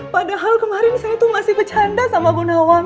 padahal kemarin saya tuh masih kecanda sama bu nawang